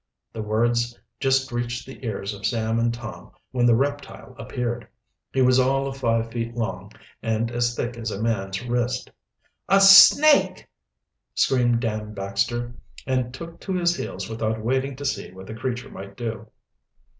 The words just reached the ears of Sam and Tom when the reptile appeared. He was all of five feet long and as thick as a man's wrist. "A snake!" screamed Dan Baxter, and took to his heels without waiting to see what the creature might do.